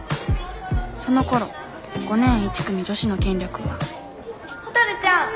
そのころ５年１組女子の権力はほたるちゃん。